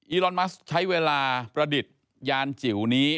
อลอนมัสใช้เวลาประดิษฐ์ยานจิ๋วนี้